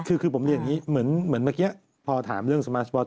คือผมเรียนอย่างนี้เหมือนเมื่อธามเรื่องสมาร์ทบอส